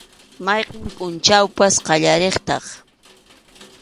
Mayqin pʼunchawpas qallariqtaq.